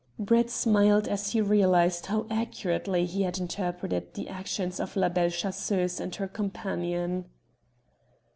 Brett smiled as he realized how accurately he had interpreted the actions of La Belle Chasseuse and her companion.